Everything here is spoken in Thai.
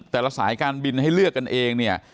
แต่ละสายการบินให้เลือกกันเองเนี่ย